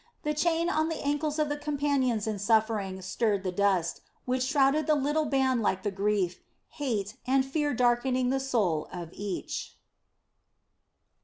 The chain on the ancles of the companions in suffering stirred the dust, which shrouded the little band like the grief, hate, and fear darkening the soul of each.